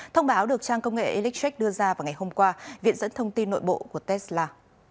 thông báo được trang công nghệ electric đưa ra vào ngày hôm qua viện dẫn thông tin nội bộ của tesla